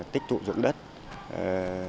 tích cực của hợp tác xã